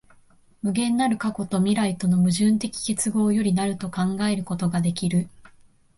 無限なる過去と未来との矛盾的結合より成ると考えることができる。